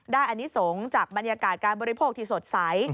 อนิสงฆ์จากบรรยากาศการบริโภคที่สดใส